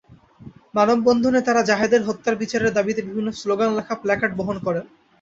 মানববন্ধনে তাঁরা জাহেদের হত্যার বিচারের দাবিতে বিভিন্ন স্লোগান লেখা প্ল্যাকার্ড বহন করেন।